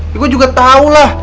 ya gue juga tau lah